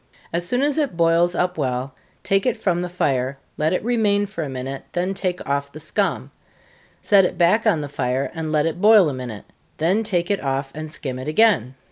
As soon as it boils up well, take it from the fire, let it remain for a minute, then take off the scum set it back on the fire, and let it boil a minute, then take it off, and skim it again.